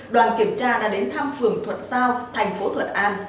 đoàn kiểm tra đã đến thăm phường thuận giao thành phố thuận an